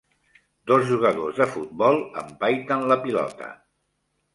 Dos jugadors de futbol empaiten la pilota